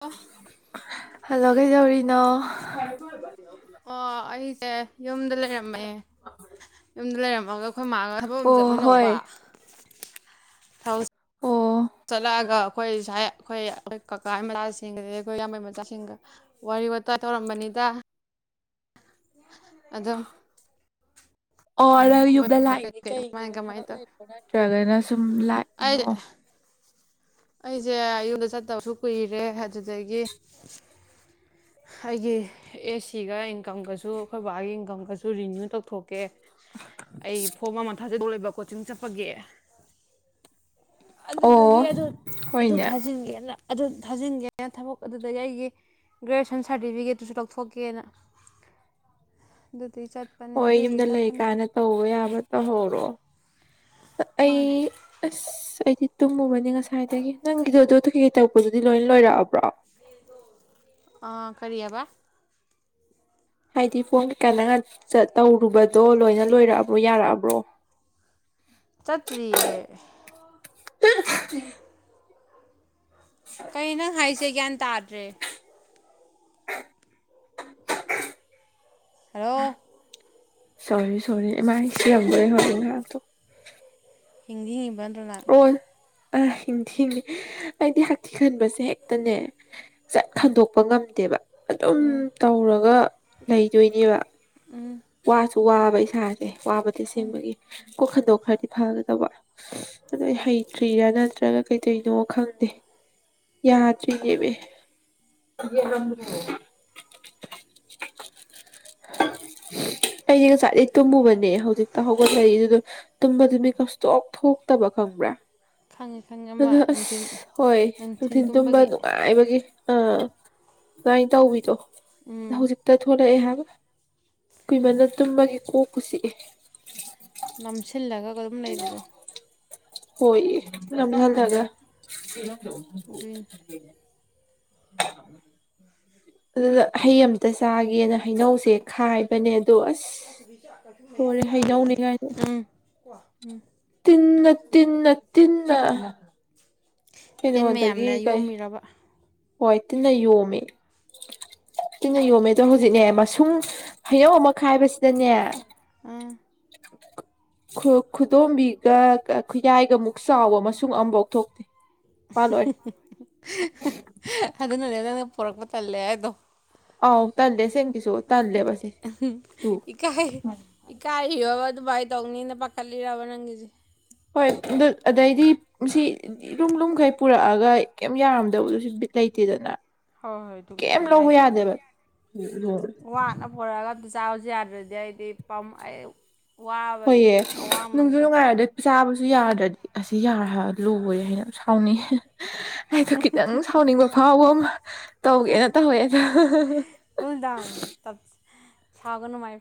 ꯑꯣ ꯍꯜꯂꯥ ꯀꯩꯗꯧꯔꯤꯅꯣ [inaudible] [inaudible] ꯑꯣ ꯑꯩ ꯁꯦ ꯌꯨꯝꯗ ꯂꯩꯔꯝꯃꯦ ꯌꯨꯝꯗ ꯂꯩꯔꯝ ꯃꯒ ꯑꯩꯈꯣꯏ ꯃꯥꯒ ꯊꯕꯛ ꯑꯝ ꯑꯣ ꯆꯠꯃꯤꯟꯅꯧꯕ ꯍꯣꯏ ꯊꯕꯛ ꯑꯣ ꯆꯠꯂꯛꯑꯒ ꯑꯩꯈꯣꯏ ꯁꯥꯏ ꯑꯩꯈꯣꯏ ꯑꯩꯈꯣꯏ ꯀꯀꯥꯏ ꯃꯆꯥꯁꯤꯡ ꯑꯗꯩ ꯑꯩꯈꯣꯏ ꯏꯌꯥꯝꯕꯩ ꯃꯆꯥꯁꯤꯡꯒ ꯋꯥꯔꯤ ꯋꯥꯇꯥꯏ ꯇꯧꯔꯝꯕꯅꯤꯗ ꯑꯗꯨꯝ ꯑꯣ ꯑꯗ ꯃꯣꯏ ꯌꯨꯝꯗ ꯂꯥꯛꯏꯗꯤ ꯀꯩꯀꯩ ꯀꯃꯥꯏ ꯀꯩꯒꯤꯅꯣ ꯀꯃꯥꯏꯅ ꯊꯕꯛ ꯇꯧ ꯂꯩꯕ꯭ꯔꯣ ꯅꯠꯇ꯭ꯔꯒꯅ ꯁꯨꯝ ꯑꯩ ꯂꯥꯛꯏꯅꯣ ꯑꯩꯁꯦ ꯌꯨꯝꯗ ꯆꯠꯇꯕꯁꯨ ꯀꯨꯏꯔꯦ ꯑꯗꯨꯗꯒꯤ ꯑꯩꯒꯤ ꯑꯦꯁ ꯁꯤꯒ ꯏꯟꯀꯝꯒꯁꯨ ꯑꯩꯈꯣꯏ ꯕꯥꯒꯤ ꯏꯟꯀꯝꯒꯁꯨ ꯔꯤꯅ꯭ꯌꯨ ꯇꯧꯊꯣꯛꯄ ꯑꯣꯀꯦ ꯑꯩ ꯐꯣꯝ ꯑꯃ ꯊꯛꯖ ꯍꯧ ꯂꯩꯕ ꯀꯣꯆꯤꯡ ꯆꯠꯄꯒꯤꯦ ꯑꯣ ꯑꯗꯨ ꯍꯣꯏꯅꯦ ꯊꯥꯖꯤꯟꯒꯦ ꯑꯗꯨ ꯊꯥꯖꯤꯟꯒꯦꯅ ꯊꯕꯛ ꯑꯗꯨꯗꯒꯤ ꯑꯩꯒꯤ ꯒ꯭ꯔꯦꯖꯨꯦꯁꯟ ꯁꯥꯔꯇꯤꯐꯤꯀꯦꯠꯇꯨꯁꯨ ꯂꯧꯊꯣꯛꯀꯦꯅ ꯆꯠꯄꯅꯤ ꯍꯣꯏ ꯑꯗꯨꯒꯤ ꯌꯨꯝꯗ ꯂꯩ ꯆꯠꯄꯅꯤꯗ ꯀꯥꯏꯅ ꯇꯧꯕ ꯌꯥꯕ ꯇꯧꯍꯧꯔꯣ ꯃꯥꯅꯦ ꯑꯩ ꯑ ꯁꯤ ꯇꯨꯝꯃꯨꯕꯅꯤ ꯉꯁꯥꯏꯗꯒꯤ ꯅꯪꯒꯤꯗꯣ ꯑꯗꯨ ꯀꯨꯈꯤꯀꯩ ꯇꯔꯛꯄꯗꯨꯗꯤ ꯂꯣꯏ ꯂꯣꯏꯔꯛꯑꯕ꯭ꯔꯣ ꯑꯥ ꯈꯔꯤ ꯑꯕ ꯍꯥꯏꯗꯤ ꯐꯣꯟ ꯀꯩꯀꯥ ꯅ ꯇꯧꯔꯨꯕꯗꯣ ꯂꯣꯏꯅ ꯂꯣꯏꯔꯛꯑꯕ꯭ꯔꯣ ꯌꯥꯔꯛꯑꯕ꯭ꯔꯣ ꯆꯠꯇꯔꯤꯌꯦ ꯀꯩꯅꯪ ꯍꯥꯏꯁꯦ ꯒ꯭ꯌꯥꯟ ꯇꯥꯗ꯭ꯔꯦ [unintelligible] ꯍꯂꯣ ꯁꯣꯔꯤ ꯁꯣꯔꯤ ꯃꯥꯥꯏꯁꯤ ꯌꯥꯝ ꯍꯧꯔ ꯍꯤꯡꯗꯤ ꯍꯤꯡꯏ ꯄꯨꯂ ꯑꯥ ꯍꯤꯡꯊꯤ ꯍꯤꯡꯉꯤ ꯑꯩꯗꯤ ꯍꯛꯊꯤ ꯈꯟꯕꯁꯦ ꯍꯦꯛꯇꯅꯦ ꯆꯠ ꯍꯟꯗꯣꯛꯄ ꯉꯝꯗꯦꯕ ꯑꯗꯨꯝ ꯎꯝ ꯇꯧꯔꯒ ꯂꯩꯗꯣꯏꯅꯦꯕ ꯎꯝ ꯋꯥꯁꯨ ꯋꯥꯕ ꯏꯁꯥꯁꯦ ꯋꯥꯕꯗꯤ ꯁꯦꯝꯕꯒꯤ ꯀꯣꯛ ꯈꯟꯗꯣꯛ ꯈ꯭ꯔꯗꯤ ꯐꯒꯗꯕ ꯑꯗ ꯍꯩꯇ꯭ꯔꯤꯔ ꯅ꯭ꯔ ꯅꯠꯇ꯭ꯔꯒ ꯀꯩꯗꯣꯏꯅꯣ ꯈꯪꯗꯦ ꯌꯥꯗ꯭ꯔꯤꯅꯦꯕ ꯑꯩꯁ ꯉꯁꯥꯏꯗꯒꯤ ꯇꯨꯝꯃꯨꯕꯅꯦ ꯍꯧꯖꯤꯛꯇ ꯍꯧꯒꯠꯂꯛꯏ ꯑꯗꯨꯗꯣ ꯇꯨꯝꯕꯗꯨ ꯃꯤ ꯀꯁꯇꯣꯛꯞ ꯊꯣꯛꯇꯕ ꯈꯪꯕ꯭ꯔꯥ ꯈꯪꯉꯦ ꯈꯪꯉꯦ ꯑꯃ ꯑꯗꯣ ꯅꯨꯡꯊꯤꯟ ꯑꯁ ꯍꯣꯏ ꯅꯨꯡꯊꯤꯟ ꯅꯨꯡꯊꯤꯟꯜ ꯇꯨꯝꯕ ꯇꯨꯝꯕꯒꯤ ꯅꯨꯡꯉꯥꯏꯕꯒꯤ ꯑꯥ ꯀꯃꯥꯏꯅ ꯇꯧꯕꯤꯗꯣ ꯎꯝ ꯍꯧꯖꯤꯛꯇ ꯊꯔ ꯏ ꯀꯨꯏꯃꯅ ꯇꯨꯝꯃꯒꯦ ꯀꯣꯛ ꯄꯨꯁꯤꯛꯑꯦ ꯅꯝꯁꯤ ꯊꯤꯜꯂꯒ ꯑꯗꯨꯝ ꯂꯩꯕꯗꯣ ꯍꯣꯏ ꯝꯕ ꯍꯜ ꯎꯝ ꯊ ꯑꯗꯨꯏꯅꯤ [unintelligible] ꯑꯗꯨꯗ ꯍꯩ ꯑꯃꯝꯇ ꯆꯥꯒꯦꯅ ꯍꯩꯅꯧꯁꯦ ꯈꯥꯏꯕꯅꯦ ꯑꯗꯣ ꯑꯁ ꯂꯣꯔꯦ ꯍꯩꯅꯧꯅꯤꯉꯥꯏꯗ ꯎꯝ ꯇꯤꯟꯅ ꯇꯤꯟꯅ ꯇꯤꯟꯅ ꯇꯤꯟ ꯀꯩꯅꯣꯗꯒꯤ ꯃꯌꯥꯝꯅ ꯀꯩ ꯌꯣꯝꯃꯤꯔꯕ ꯍꯣꯏ ꯇꯤꯟꯅ ꯌꯣꯝꯃꯦ ꯇꯤꯟꯅ ꯌꯣꯝꯃꯦ ꯑꯗꯣ ꯍꯧꯖꯤꯛꯅꯦ ꯃꯁꯨꯡ ꯍꯩꯅꯧ ꯑꯃ ꯈꯥꯏꯕꯁꯤꯗꯅꯦ ꯎꯝ ꯈꯨ ꯈꯨꯗꯣꯝꯕꯤꯒ ꯈꯨꯌꯥꯏꯒ ꯃꯨꯛ ꯆꯥꯎꯕ ꯑꯃꯁꯨꯡꯨꯡ ꯑꯃꯐꯧ ꯊꯣꯛꯇꯦ ꯃꯥ ꯂꯣꯏꯔꯦ [inaudible] ꯑꯗꯨꯅꯅꯦ ꯅꯪ ꯄꯨꯔꯛꯄ ꯇꯜꯂꯦ ꯍꯥꯏꯗꯣ ꯑꯥꯎ ꯊꯦ ꯁꯦꯡꯀꯤꯁ ꯊꯜꯦ ꯄꯁ ꯇꯨ ꯗꯨꯕꯥꯏ ꯇꯧꯅꯤꯅ ꯄꯥꯈꯠꯂꯤꯔꯕ ꯅꯪꯒꯤꯁꯦ ꯍꯣꯏ ꯑꯗꯩꯗꯤ ꯁꯤ ꯂꯨꯝ ꯂꯨꯝꯈꯩ ꯄꯨꯔꯛꯑꯒ ꯀꯩꯝ ꯌꯥꯔꯝꯗꯕꯗꯨꯣ ꯁꯤ ꯕꯤꯠ ꯂꯩꯇꯦꯗꯅ ꯍꯣꯏ ꯍꯣꯏ ꯇꯨ ꯀꯩꯝ ꯆꯃꯦ ꯂꯧꯕ ꯍꯥꯏꯗꯤ ꯌꯥꯗꯦꯕ ꯂꯣꯡ ꯋꯥꯅ ꯐꯔ ꯆꯥꯁꯨ ꯌꯥꯗ꯭ꯔꯗꯤ ꯑꯩꯗꯤ ꯄꯝ ꯑꯌ ꯋꯥꯕꯒꯤ ꯍꯣꯏꯌꯦ ꯅꯨꯡꯁꯨ ꯑꯋꯥꯃꯟꯗꯣ ꯅꯨꯡꯉꯥꯏꯔꯗꯤ ꯆꯥꯕꯁꯨ ꯌꯥꯗ꯭ꯔꯗꯤ ꯑꯁꯤ ꯌꯥꯔ ꯂꯣꯏꯔꯦ ꯍꯥꯏꯅ ꯁꯥꯎꯅꯤꯡ ꯑꯩꯗꯣ ꯈꯤꯇꯪ ꯁꯥꯎꯅꯤꯡꯕ ꯐꯥꯎꯕ ꯑꯃ ꯇꯧꯒꯦꯅ ꯇꯧꯋꯦ ꯑꯗꯣ ꯁꯥꯒ ꯅꯨꯡꯉꯥꯏ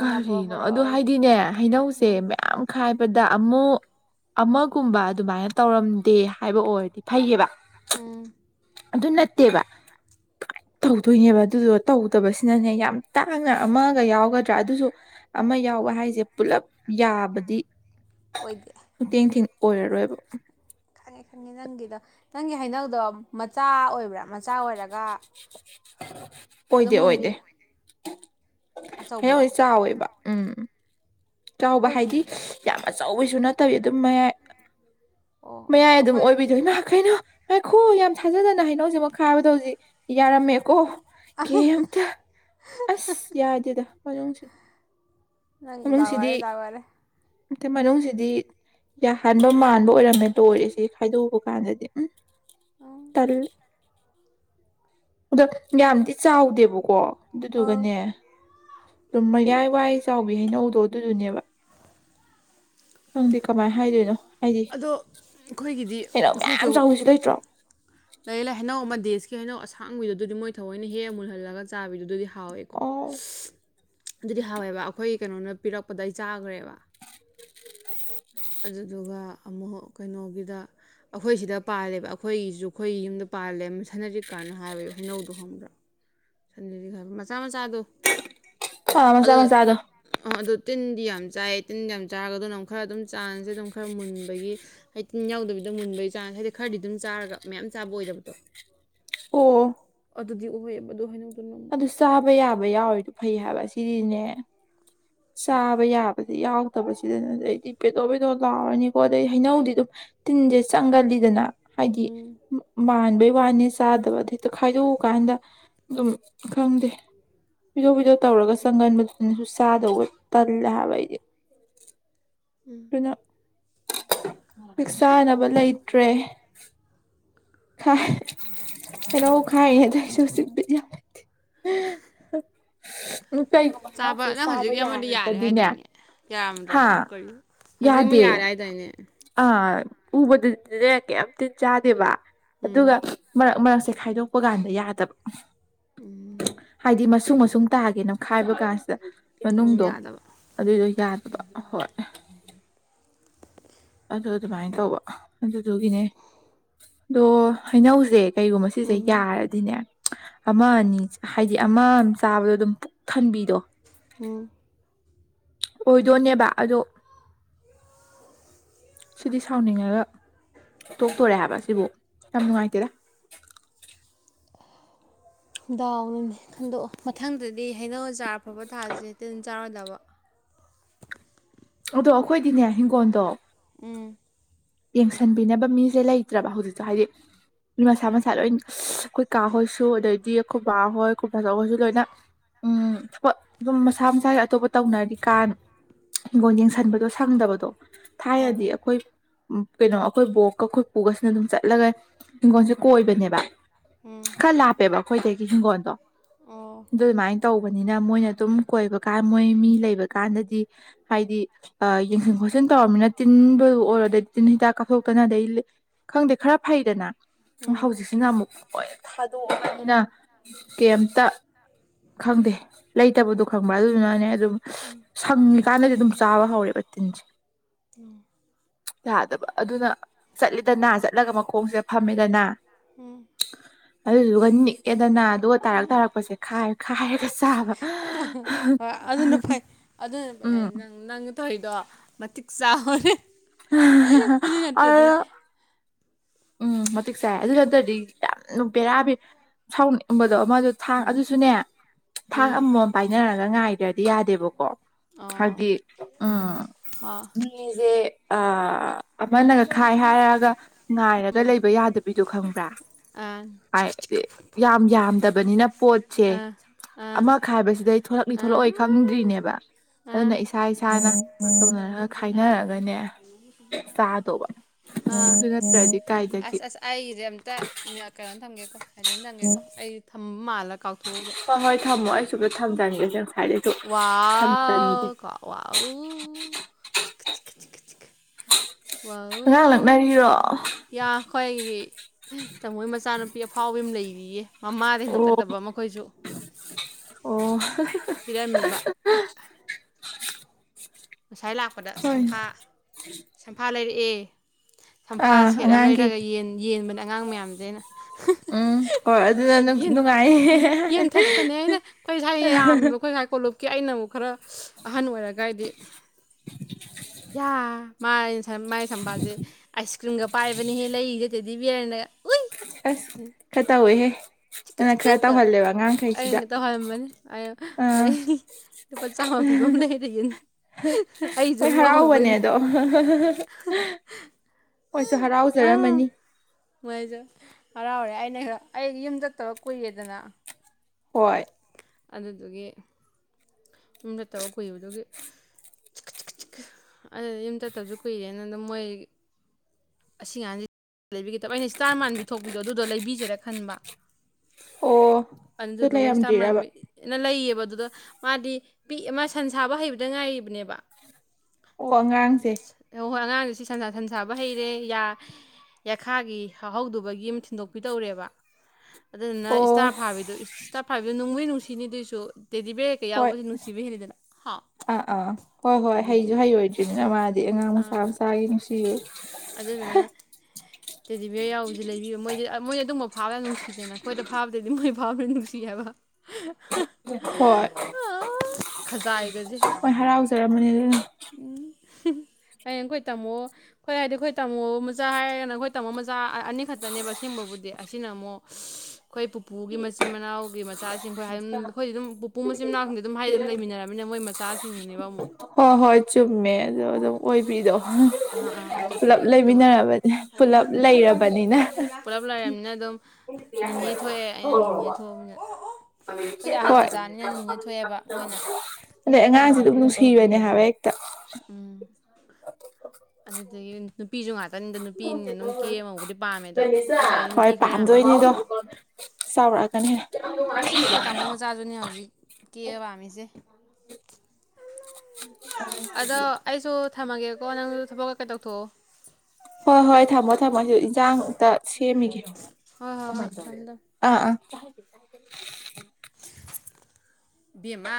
ꯀꯔꯤꯅꯣ ꯑꯗ ꯍꯥꯏꯗꯤꯅꯦ ꯍꯩꯅꯧꯁꯦ ꯎꯝ ꯃꯌꯥꯝ ꯈꯥꯏꯕꯗ ꯑꯃ ꯑꯃꯒꯨꯝꯕ ꯑꯗꯨꯃꯥꯏꯅ ꯇꯧꯔꯝꯗꯦ ꯍꯥꯏꯕ ꯑꯣꯏꯔꯗꯤ ꯐꯩꯌꯦꯕ ꯎꯝ ꯑꯗꯨ ꯅꯠꯇꯦꯕ ꯇꯧꯗꯣꯏꯅꯦꯕ ꯑꯗꯨꯗꯨꯗ ꯇꯧꯗꯕꯁꯤꯅꯅꯦ ꯌꯥꯝ ꯇꯥꯡꯅ ꯑꯃꯒ ꯌꯥꯎꯒ ꯑꯗꯨꯁꯨ ꯑꯃ ꯌꯥꯎꯕ ꯍꯥꯏꯁꯦ ꯄꯨꯂꯞ ꯌꯥꯕꯗꯤ ꯑꯣꯏꯗꯦ [unintelligible] ꯑꯣꯏꯔꯔꯣꯏꯕ ꯈꯪꯉꯦ ꯈꯪꯉꯦ ꯅꯪꯒꯤꯗꯣ ꯅꯪꯒꯤ ꯍꯩꯅꯧꯗꯣ ꯃꯆꯥ ꯑꯣꯏꯕ꯭ꯔꯥ ꯃꯆꯥ ꯑꯣꯏꯔꯒ [inaudible] ꯑꯗꯨꯝ ꯑꯣꯏꯗꯦ ꯃꯨꯟꯕꯤ ꯑꯣꯏꯗꯦ ꯑꯆꯧꯕ꯭ꯔꯣ ꯍꯡ ꯆꯥꯎꯋꯦꯕ ꯎꯝ ꯆꯥꯎꯕ ꯑꯩꯈꯣꯏꯁꯨ ꯍꯥꯏꯗꯤ ꯌꯥꯝ ꯑꯆꯧꯕꯩꯁꯨ ꯅꯠꯇꯕꯤ ꯑꯗꯨꯝ ꯃꯌꯥꯏ ꯑꯣ ꯃꯌꯥꯏ ꯑꯣ ꯑꯗꯨꯝ ꯑꯩꯈꯣꯏ ꯑꯣꯏꯕꯤꯗꯣꯏ ꯅꯍ ꯀꯩꯅꯣ ꯍꯥꯏꯈꯣ ꯌꯥꯝ ꯊꯥꯖꯗꯅ ꯍꯩꯅꯧ ꯍꯧꯖꯤꯛꯃꯛ ꯈꯥꯕꯗꯣ ꯍꯧꯖꯤꯛ ꯌꯥꯔꯝꯃꯦꯀꯣ ꯀꯝꯇ ꯑꯁ ꯌꯥꯗꯗ ꯐꯖꯣꯡꯁꯤ ꯅꯪ ꯋꯥꯔꯦ ꯗꯥꯋꯥꯔꯦ ꯑ ꯃꯅꯨꯡꯁꯤꯗꯤ ꯌꯥꯍꯟꯕ ꯃꯥꯟꯕ ꯑꯣꯏꯔꯝꯃꯦ ꯂꯣꯏꯔꯤꯁꯤꯦ ꯈꯥꯏꯗꯣꯛꯎꯕ ꯀꯥꯟꯗꯗꯤ ꯎꯝ ꯎꯝ ꯇꯜ ꯑꯗ ꯌꯥꯝꯗꯤ ꯆꯥꯎꯗꯦꯕꯀꯣ ꯑꯥ ꯑꯗꯨꯗꯨꯒꯅꯦ ꯂꯨꯝꯕ ꯌꯥꯏ ꯀ꯭ꯋꯥꯏ ꯆꯥꯎꯕꯤ ꯍꯩꯅꯧꯗꯣ ꯑꯗꯨꯗꯨꯅꯦꯕ ꯈꯪꯗꯦ ꯀꯃꯥꯏꯅ ꯍꯥꯏꯗꯣꯏꯅꯣ ꯍꯥꯏꯗꯤ ꯑꯗꯣ ꯑꯩꯈꯣꯏꯒꯤꯗꯤ ꯍꯩꯅꯧ ꯑꯩꯈꯣꯏꯁꯨ ꯃꯌꯥꯝ ꯆꯥꯎꯕꯤꯁꯨ ꯂꯩꯇ꯭ꯔꯣ ꯂꯥꯏꯔꯤꯛ ꯂꯥꯏ ꯍꯅꯥꯎ ꯑꯃꯗꯤ ꯏꯁ ꯀ ꯍꯥꯏꯩꯅꯣ ꯑꯁꯥꯡꯕꯤꯗꯨꯗꯨꯗꯤ ꯃꯣꯏ ꯊꯑꯣꯏꯅ ꯍꯦꯛ ꯃꯨꯜꯍꯜꯂꯒ ꯆꯥꯕꯤꯕꯗꯨꯗꯤ ꯍꯥꯎꯋꯦꯀꯣ ꯑꯣ ꯑꯗꯨꯗꯤ ꯍꯥꯎꯋꯦꯕ ꯑꯩꯈꯣꯏ ꯀꯩꯅꯣꯅ ꯄꯤꯔꯛꯄꯗꯩ ꯆꯥꯈ꯭ꯔꯦꯕ ꯑꯣ ꯑꯗꯨꯗꯨꯒ ꯑꯃꯨꯛ ꯀꯩꯅꯣꯒꯤꯗ ꯑꯩꯈꯣꯏꯁꯤꯗ ꯄꯥꯜꯂꯦꯕ ꯑꯩꯈꯣꯏꯒꯤꯁꯨ ꯑꯩꯈꯣꯏꯒꯤ ꯌꯨꯝꯗ ꯄꯥꯜꯂꯦ ꯁꯥꯟꯅꯔꯤꯛ ꯀꯥꯟꯅ ꯍꯥꯏꯕ ꯍꯩꯅꯧꯗꯨꯣ ꯈꯪꯕ꯭ꯔꯥ ꯁꯟ ꯃꯆꯥ ꯃ ꯑ ꯃꯆꯥ ꯃꯆꯥꯗꯣ ꯑꯗꯨ ꯇꯤꯟꯗꯤ ꯌꯥꯝ ꯌꯥꯝ ꯆꯥꯏꯌꯦ ꯇꯤꯟ ꯌꯥꯝ ꯆꯥꯔꯒ ꯑꯗꯨꯅ ꯑꯃꯨꯛ ꯈꯔ ꯑꯗꯨꯝ ꯆꯥꯟꯁꯁꯦ ꯑꯗꯨꯝ ꯈꯔ ꯃꯨꯟꯕꯒꯤ ꯍꯥꯏꯗꯤ ꯇꯤꯟ ꯌꯥꯎꯗꯕꯤꯗ ꯃꯨꯟꯕꯒꯤ ꯆꯥꯟꯁ ꯍꯥꯏꯗꯤ ꯈꯔꯗꯤ ꯑꯗꯨꯝ ꯆꯥꯔꯒ ꯃꯌꯥꯝ ꯆꯥꯕ ꯑꯣꯏꯗꯕꯗꯣ ꯑꯣ ꯑꯗꯨꯗꯤ ꯑꯣꯏꯌꯦꯕ ꯃꯗꯨ ꯍꯣꯏꯅ ꯑꯗꯨ ꯁꯥꯕ ꯌꯥꯕ ꯌꯥꯎꯣ ꯐꯩ ꯍꯥꯏꯕ ꯁꯤꯗꯤꯅꯦ ꯆꯕ ꯌꯥꯕ ꯑꯗꯩ ꯌꯥꯎꯗꯕꯁꯤꯗꯅ ꯑꯗ ꯑꯩꯗꯤ ꯄꯦꯇꯣ ꯄꯦꯗꯣꯛ ꯂꯥꯎꯔꯅꯤꯀꯣ ꯑꯗꯩ ꯍꯩꯅꯧꯗꯤ ꯑꯗꯨꯝ ꯇꯤꯟꯁꯦ ꯆꯪꯒꯜꯂꯤꯗꯅ ꯍꯥꯏꯗꯤ ꯎꯝ ꯃꯥꯟꯕꯩ ꯋꯥꯅꯤ ꯆꯥꯗꯕꯗ ꯍꯦꯛꯇ ꯈꯥꯏꯗꯣꯛꯎꯀꯥꯟꯗ ꯑꯗꯨꯝ ꯈꯪꯗꯦ ꯐꯤꯗꯣꯛ ꯐꯤꯗꯣꯛ ꯇꯧꯔꯒ ꯆꯪꯒꯟꯕꯗꯨꯅꯁꯨ ꯆꯥꯗ ꯑꯣꯏ ꯇꯜꯂꯦ ꯌꯥꯏꯕ ꯑꯩꯗꯤ ꯄꯨꯅ ꯍꯛ ꯆꯥꯅꯕ ꯂꯩꯇ꯭ꯔꯦ ꯈ ꯍ ꯈꯥꯏꯅꯦ ꯊꯥꯏꯁꯨ ꯁꯤ ꯌꯥ [inaudible] ꯀꯩꯒꯨꯝꯕ ꯏꯅꯥꯎꯁꯦ ꯅꯪ ꯆꯥꯕ ꯍꯧꯖꯤꯛꯀꯤ ꯑꯃꯗꯤ ꯌꯥꯔꯦ ꯌꯥꯔꯒꯗꯤꯅꯦ ꯍꯥꯏꯗꯥꯏꯅꯦ ꯌꯥꯔꯝꯗ꯭ꯔꯕꯣ ꯍꯥꯥ ꯑꯃꯨꯛ ꯀꯔꯤ ꯍꯧꯖꯤꯛ ꯑꯃ ꯌꯥꯗꯦ ꯌꯥꯔꯦ ꯍꯥꯏꯗꯥꯏꯅꯦ ꯑꯥ ꯎꯕꯗꯗꯤꯅꯦ ꯀꯩ ꯇꯤꯟ ꯆꯥꯗꯦꯕ ꯎꯝ ꯑꯗꯨꯒ ꯁꯦ ꯈꯥꯏꯗꯣꯛꯄ ꯀꯥꯟꯗ ꯌꯥꯗꯕ ꯍꯥꯏꯗꯤ ꯃꯁꯨ ꯃꯁꯨ ꯁꯨꯝ ꯇꯥꯒꯦꯅ ꯈꯥꯏꯕ ꯀꯥꯟꯁꯤꯗ ꯑꯃꯨꯛ ꯃꯅꯨꯡꯗꯣ ꯌꯥꯗꯕ ꯑꯗꯨꯏꯗꯣ ꯌꯥꯗꯦ ꯍꯣꯏ ꯑꯗꯨ ꯑꯗꯨꯃꯥꯏꯅ ꯇꯧꯕ ꯑꯗꯨꯗꯨꯒꯤꯅꯦ ꯑꯗꯣ ꯍꯩꯅꯧꯁꯦ ꯀꯩꯒꯨꯝꯕ ꯁꯤꯁꯦ ꯌꯥꯔꯗꯤꯅꯦ ꯑꯃ ꯑꯅꯤ ꯍꯥꯏꯗꯤ ꯑꯃ ꯑꯃ ꯆꯥꯕꯗꯣ ꯑꯗꯨꯝ ꯄꯨꯛ ꯊꯟꯕꯤꯗꯣ ꯍꯨꯝ ꯑꯣꯏꯗꯣꯏꯅꯦꯕ ꯑꯗꯣ ꯁꯤꯗꯤ ꯁꯥꯎꯅꯤꯡꯉꯒ ꯇꯣꯛꯇꯣꯔꯦ ꯍꯥꯏꯕ ꯁꯤꯕꯨ ꯌꯥꯝ ꯅꯨꯡꯉꯥꯏꯇꯦꯗ ꯗꯥꯎꯅꯅꯦ ꯈꯟꯗꯣꯛꯑꯣ ꯃꯊꯪꯗꯗꯤ ꯍꯩꯅꯧꯖꯥꯔ ꯑꯐꯕ ꯊꯥꯁꯦꯦ ꯇ ꯑꯗꯨꯝ ꯆꯥꯔꯣꯏꯗꯕ ꯑꯗꯣ ꯑꯩꯈꯣꯏꯗꯤꯅꯦ ꯍꯤꯡꯒꯣꯜꯗꯣ ꯎꯝ ꯌꯦꯡꯁꯤꯟꯕꯤꯅꯕ ꯃꯤꯁꯦ ꯂꯩꯇ꯭ꯔꯕ ꯍꯧꯖꯤꯛꯇꯣ ꯍꯥꯏꯗꯤ ꯃꯤ ꯃꯁꯥ ꯃꯁꯥ ꯂꯣꯏ ꯑꯩꯈꯣꯏꯀꯥ ꯍꯣꯏꯁꯨ ꯑꯗꯩꯗꯤ ꯈꯨꯕꯥ ꯍꯣꯏ ꯈꯨꯕꯥ ꯆꯧ ꯍꯣꯏꯁꯨ ꯂꯣꯏꯅ ꯎ ꯑꯗꯨꯝ ꯃꯁꯥ ꯃꯁꯥꯁ ꯑꯇꯣꯞꯄ ꯇꯧꯅꯔꯤ ꯀꯥꯅ ꯍꯤꯡꯒꯣꯜ ꯌꯦꯡꯁꯟꯕꯗꯣ ꯁꯪꯗꯕꯗꯣ ꯍꯣꯏ ꯊꯥꯏꯅꯗꯤ ꯍꯣꯏ ꯑꯩꯈꯣꯏ ꯎ ꯀꯩꯅꯣ ꯑꯩꯈꯣꯏ ꯕꯣꯛꯀ ꯑꯩꯈꯣꯏꯄꯨꯒꯁꯤꯅ ꯑꯗꯨꯝ ꯆꯠꯂꯒ ꯍꯤꯡꯒꯣꯜꯁꯦ ꯀꯣꯏꯕꯅꯦꯕ ꯎꯝ ꯈꯔ ꯂꯥꯞꯄꯦꯕ ꯑꯩꯈꯣꯏꯗꯒꯤ ꯍꯤꯡꯒꯣꯜꯗꯣ ꯑꯣ ꯃꯥꯏ ꯇꯧꯕꯅꯤꯅ ꯃꯣꯏꯅ ꯑꯗꯨꯝ ꯀꯣꯏꯕ ꯀꯥꯟ ꯃꯣꯏ ꯃꯤ ꯂꯩꯕ ꯀꯥꯟꯗꯗꯤ ꯍꯥꯏꯗꯤ ꯌꯦꯡꯁꯤꯟ ꯈꯣꯠꯆꯤꯟ ꯇꯧꯔꯕꯅꯤꯅ ꯇꯤꯟꯕꯗꯨ ꯑꯣꯏꯔꯣꯗ ꯇꯤꯟ ꯍꯤꯗꯥꯛ ꯀꯥꯞꯊꯣꯛꯇꯅ ꯑꯗꯩ ꯈꯪꯗꯦ ꯈꯔ ꯐꯩꯗꯅ ꯎ ꯎꯝ ꯍꯧꯖꯤꯛꯁꯤꯅ ꯑꯃꯨꯛ ꯂꯣꯏ ꯊꯥꯗꯣꯛꯑꯕꯅꯤꯅ ꯀꯦꯝꯇ ꯈꯪꯗꯦ ꯂꯩꯇꯕꯗꯣ ꯈꯪꯕ꯭ꯔꯥ ꯑꯗꯨꯗꯨꯅꯅꯦ ꯑꯗꯨꯝ ꯁꯪꯉꯤꯀꯥꯟꯗꯗꯤ ꯑꯗꯨꯝ ꯆꯥꯕ ꯍꯧꯔꯦꯕ ꯊꯤꯟꯖ ꯌꯥꯥꯗꯕ ꯑꯗꯨꯅ ꯆꯠꯂꯤꯗꯅ ꯆꯠꯂꯒ ꯃꯈꯣꯡꯁꯦ ꯐꯝꯃꯤꯗꯅ ꯎꯝ ꯑꯗꯨꯗꯨꯒ ꯑꯦꯗꯅ ꯑꯗꯨꯒ ꯇꯥꯔꯛꯥꯔꯛꯄꯁꯦ ꯈꯥꯏ ꯈꯥꯏꯔꯒ ꯆꯥꯕ ꯍꯣꯏ ꯑꯗꯨꯅ ꯎꯝ ꯇꯧꯏꯗꯣ ꯃꯇꯤꯛ ꯆꯥꯍꯔꯦ ꯑ ꯎꯝ ꯃꯇꯤꯛ ꯆꯥꯏ ꯑꯗꯨ ꯈꯗꯗꯤ ꯌꯥꯝꯅ ꯄꯦꯔꯥꯕꯤ ꯁꯥꯎꯅꯤꯡ ꯏꯕꯗꯣ ꯃꯗ ꯊꯥꯡ ꯑꯗꯨꯁꯨꯅꯦ ꯊꯥꯡ ꯎꯝ ꯑꯃꯃꯝ ꯄꯥꯏꯅꯔꯒ ꯉꯥꯏꯗ꯭ꯔꯗꯤ ꯌꯥꯗꯦꯕꯀꯣ ꯑꯣ ꯍꯥꯏꯗꯤ ꯑ ꯍꯣ ꯑꯥ ꯃꯤꯖꯦ ꯑꯥ ꯑꯃꯅꯒ ꯈꯥꯏ ꯍꯥꯏꯔꯒ ꯉꯥꯏꯔꯒ ꯂꯩꯕ ꯌꯥꯗꯕ ꯕꯤꯗꯨ ꯈꯪꯕ꯭ꯔꯥ ꯑꯥ ꯍꯥꯏ ꯌꯥꯝ ꯌꯥꯝꯗꯕꯅꯤꯅ ꯄꯣꯠꯁꯦ ꯑꯥ ꯑꯥ ꯑꯃ ꯈꯥꯏꯕꯁꯤꯗꯩ ꯊꯣꯛꯂꯛꯂꯤ ꯊꯣꯛꯂꯛꯑꯣꯏ ꯈꯪꯗ꯭ꯔꯤꯅꯦꯕ ꯑꯥ ꯑꯗꯨꯅ ꯏꯁꯥ ꯏꯁꯥꯅ ꯇꯧꯅꯔꯒ ꯈꯥꯏꯅꯔꯒꯅꯦ ꯆꯥꯗꯧꯕ [unintelligible] ꯑ ꯑꯗꯨ ꯅꯠꯇ꯭ꯔꯗꯤ ꯀꯥꯏꯗꯒꯤ ꯑꯁ ꯑꯁ ꯑꯩꯒꯤꯁꯦ ꯑꯝꯇ ꯀꯩꯅꯣ ꯊꯝꯒꯦꯀꯣ ꯁꯥꯏꯂꯦꯟ ꯊꯝꯒꯦꯀꯣ ꯑꯩ ꯊꯝ ꯃꯥꯜꯂ ꯀꯥꯎꯊꯣꯛꯎꯕ ꯍꯣꯏ ꯍꯣꯏ ꯊꯝꯃꯣ ꯑꯩꯁꯨꯗ ꯊꯝꯖꯟꯒꯦꯁꯦ ꯉꯁꯥꯏꯗꯩꯁꯨ ꯊꯝꯖꯟꯒꯦ ꯋꯥꯎ ꯀ‌ꯣ ꯋꯥꯎ ꯆꯤꯀ ꯆꯤꯀ ꯆꯤ [unintelligible] ꯑꯉꯥꯡ ꯋꯥꯎ ꯂꯛꯅꯔꯤꯔꯣ ꯑꯣ ꯌꯥ ꯈ‌ꯣꯏꯒꯤ ꯇꯥꯃꯣꯒꯤ ꯃꯆꯥꯅꯨꯄꯤ ꯑꯐꯥꯎꯕꯤ ꯑꯝ ꯂꯩꯔꯤꯌꯦ ꯃꯃꯥꯗ ꯅ‌ꯣꯛꯅꯗꯕ ꯑꯃ ꯈꯣꯏꯁꯨ ꯑꯣ ꯄꯤꯔꯝꯃꯤꯕ ꯉꯁꯥꯏ ꯂꯥꯛꯄꯗ ꯍꯣꯏ ꯁꯝꯐꯥ ꯁꯝꯐꯥ ꯂꯩꯔꯛ ꯑꯦ ꯁꯝꯐꯥ ꯑꯥ ꯁꯦꯠ ꯑꯃ ꯑꯉꯥꯡꯒꯤ ꯂꯩꯔꯛꯑꯒ ꯌꯦꯟ ꯌꯦꯟꯕꯅ ꯑꯉꯥꯡ ꯃꯌꯥꯝꯁꯦ ꯑꯩꯅ ꯎꯝ ꯍꯣꯏ ꯑꯗꯨꯅ ꯌꯦꯟ ꯅꯨꯡꯉꯥꯏ ꯌꯦꯟꯊꯠꯄꯅꯦ [unintelligible] ꯀ ꯑꯩꯅꯕꯨ ꯈꯔ ꯑꯍꯟ ꯑꯣꯏꯔꯒꯥꯏꯗꯤ ꯃꯥꯏ ꯃꯥꯏ ꯁꯝꯐꯥꯁꯦ ꯑꯥꯏꯁ ꯀ꯭ꯔꯤꯝꯒ ꯄꯥꯏꯕꯅꯦꯍꯦ ꯂꯩꯔꯤꯖ‌ꯦ [unintelligible] ꯗꯤꯕ꯭ꯌꯥꯔ ꯅꯒ ꯑꯁ ꯈ ꯇꯧꯋ‌ꯦ ꯍꯦ ꯆꯤꯛꯀ ꯆꯤꯛꯀꯗ ꯑꯩꯅ ꯇꯧꯍꯟꯕꯅꯤ ꯑꯩ ꯑꯥ ꯃꯩ ꯂꯨꯄꯥ ꯆꯥꯝꯃ ꯄꯤꯕ ꯑꯃ ꯂꯩ ꯌꯦ ꯍꯣꯏ ꯍꯔꯥꯎꯕꯅꯦ ꯑꯗꯣ [unintelligible] ꯃ‌ꯣꯏꯁꯨ ꯑꯥ ꯍꯔꯥꯎꯖꯔꯝꯃꯅꯤ ꯃꯣꯏꯁꯨ ꯍꯔꯥꯎꯔꯦ ꯑꯩꯅ ꯈꯔ ꯑꯩ ꯌꯨꯝ ꯆꯠꯇꯕ ꯀꯨꯏꯔ‌ꯦꯗꯅ ꯍꯣꯏ ꯑꯗꯨꯗꯨꯒꯤ ꯌꯨꯝꯗ ꯆꯠꯇꯕ ꯀꯨꯏꯕꯗꯨꯒꯤ ꯌꯨꯝ ꯆꯠꯇꯕꯁꯨ ꯀꯨꯏꯔꯦꯅ ꯃꯣꯏ ꯑꯁꯤ ꯑꯉꯥꯡꯁꯤ ꯂꯩꯕꯤꯒꯗꯕ ꯑꯩꯅ ꯏꯁꯇꯥꯔ ꯃꯥꯟꯕꯤ ꯊꯣꯛꯄꯤꯗꯣ ꯑꯗꯨꯗꯣ ꯂꯩꯕꯤꯁꯦꯔꯥ ꯈꯟꯕ ꯑꯣ ꯑꯗꯨꯗꯨꯒ ꯑꯗꯨ ꯏꯁꯇꯥꯔ ꯂꯩꯔꯝꯗ꯭ꯔꯤꯔꯥꯕ [unintelligible] ꯂꯩꯌꯦꯕ ꯑꯗꯨꯗ ꯃꯥꯗꯤ ꯄꯤꯛꯑꯦ ꯃꯥ ꯁꯟ ꯁꯥꯕ ꯍꯩꯕꯗ ꯉꯥꯏꯔꯤꯕꯅꯦꯕ ꯑꯣ ꯑꯉꯥꯡꯁꯦ ꯑꯣ ꯍꯣꯏ ꯑꯉꯥꯡ ꯁꯤ ꯁꯟ ꯁꯟꯁꯥꯕ ꯍꯩꯔꯦ ꯌꯥ ꯌꯥꯈꯥꯒꯤ ꯍꯧꯍꯧꯗ‌ꯕꯒꯤ ꯑꯃ ꯊꯤꯟꯗꯣꯛꯄꯤ ꯇꯧꯔꯦꯕ ꯑꯗꯨꯗꯨꯅ ꯑꯣ ꯏꯁꯇꯥꯔ ꯐꯥꯕꯤꯗꯣ ꯏꯁꯇꯥꯞ ꯍꯥꯏꯕ ꯅꯨꯡꯕꯨꯗꯤ ꯅꯨꯡꯁꯤ ꯀꯤꯅꯤꯗꯨꯏꯁꯨ ꯍꯣꯏ ꯍꯥꯎ ꯑꯥ ꯑꯥ ꯍꯣꯏ ꯍꯣꯏ ꯑꯗꯨꯗꯤ ꯍꯩꯁꯨ ꯍꯩꯔꯣꯏꯗ꯭ꯔꯤꯅꯤꯅ ꯃꯥꯗꯤ ꯑꯗꯩ ꯑꯉꯥꯡ ꯃꯆꯥ ꯑꯥ ꯃꯆꯥꯒꯤ ꯎꯝ [unintelligible] ꯑꯗꯨꯗꯨꯅ ꯇꯦꯗꯤ ꯕꯔ ꯌꯥꯎꯕꯁꯦ ꯂꯩꯕꯤꯌꯨ ꯃꯣꯏꯗꯤ ꯑꯞ ꯃꯣꯏꯅ ꯑꯗꯨꯝꯕ ꯐꯥꯕꯗ ꯅꯨꯡꯁꯤꯗꯅ ꯑꯩꯈꯣꯏꯗ ꯐꯥꯕꯗꯩꯗꯤ ꯃꯣꯏ ꯐꯥꯕꯅ ꯅꯨꯡꯁꯤ ꯍꯥꯏꯕ ꯍꯣꯏ ꯈꯖꯥꯏꯒꯁꯦ ꯍꯣꯏ ꯍꯔꯥꯎꯖꯔꯝꯝꯕꯅꯤ ꯑꯗꯨꯅꯅꯤ ꯍꯌ‌ꯦꯡ ꯑꯈꫭꯏ ꯇꯝꯃꯣ ꯍꯣꯏ ꯍꯥꯏꯗꯤ ꯑꯩꯈꯣꯏ ꯇꯥꯃꯣ ꯃꯆꯥ ꯍꯥꯏꯔꯒꯅ ꯑꯩꯈꯣꯏ ꯇꯥꯃꯣ ꯃꯆꯥ ꯑꯅꯤꯈꯛꯇꯅꯦꯕ ꯑꯁꯦꯡꯕꯕꯨꯗꯤ ꯑꯁꯤꯅ ꯑꯃꯨꯛ ꯑꯩꯈꯣꯏ ꯄꯨꯄꯨꯒꯤ ꯃꯆꯤꯟ ꯃꯅꯥꯎꯒꯤ ꯃꯆꯥꯁꯤꯡ ꯑꯩꯈꯣꯏ ꯍꯥꯏꯝ ꯑꯩꯈꯣꯏꯗꯤ ꯑꯗꯨꯝ ꯄꯨꯄꯨ ꯃꯆꯤꯟ ꯃꯅꯥꯎꯁꯤꯡꯗꯤ ꯑꯗꯨꯝ ꯍꯥꯏꯗꯤ ꯑꯗꯨꯝ ꯂꯩꯃꯤꯟꯅꯔꯃꯤꯅ ꯃꯣꯏ ꯃꯆꯥꯁꯤꯡꯗꯨꯅꯦꯕ ꯑꯃꯨꯛ ꯍꯣꯏ ꯍꯣꯏ ꯆꯨꯝꯃꯦ ꯑꯗꯨ ꯑꯗꯨꯝ ꯑꯣꯏꯕꯤꯗꯣ ꯑ ꯑꯥ ꯄꯨꯂꯞ ꯑꯗꯨꯗꯨꯒꯤ ꯑꯗꯨꯝ ꯂꯩꯃꯤꯟꯅꯔꯕꯅꯤ ꯄꯨꯂꯞ ꯂꯩꯔꯕꯅꯤꯅ ꯄꯨꯂꯞ ꯂꯥꯏꯃꯤꯅ ꯑꯗꯨꯝ ꯅꯤꯅ‌ꯦ ꯍꯣꯏ ꯑꯩꯈꯣꯏꯗꯤ ꯑꯍꯟ ꯃꯆꯥꯅꯤꯅ ꯅꯤꯅꯦ ꯊꯣꯛꯑꯦꯕ ꯃꯣꯏꯅ ꯑꯗꯩ ꯑꯉꯥꯡꯁꯤ ꯑꯗꯨꯃ ꯅꯨꯡꯁ ꯊꯤꯕꯅꯦ ꯍꯥꯏꯕ ꯌꯦꯛ ꯑꯗꯒꯤ ꯅꯨꯄꯤꯁꯨ ꯉꯥꯛꯇ ꯑꯗꯣ ꯑꯩꯈꯣꯏ ꯁ꯭ꯋꯥꯏꯗꯤ ꯅꯨꯄꯤ ꯍꯣꯏ ꯈꯔ ꯌꯥꯝꯃꯦ ꯄꯥꯝꯗꯣꯏꯅꯤꯗꯣ ꯆꯥꯎꯔꯛꯑꯒꯅꯤ ꯑꯩꯁ ꯑꯩꯈꯣꯏ ꯇꯥꯃꯣ ꯃꯆꯥꯁꯨꯅꯦ ꯍꯧꯖꯤꯛ ꯀꯦꯑꯕ ꯄꯥꯝꯃꯤꯁꯦ [inaudible] ꯑꯗꯣ ꯑꯩꯁꯨ [unintelligible] ꯊꯝꯃꯒꯦꯀꯣ ꯅꯪꯗ ꯊꯕꯛꯀꯀꯩ ꯇꯧꯊꯣꯛꯑꯣ ꯍꯣꯏ ꯍꯣꯏ ꯊꯝꯃꯣ ꯊꯝꯃꯣ ꯑꯩꯁꯨ ꯏꯟꯁꯥꯡ ꯑꯃꯨꯛꯇ ꯁꯦꯝꯈꯤꯒꯦ ꯍꯣꯏ ꯍꯣꯏ ꯍꯣꯏ ꯊꯝꯃꯦ ꯊꯝꯃꯦ ꯑꯥ ꯎꯝ ꯑꯥ ꯏꯕ‌ꯦꯝꯃꯥ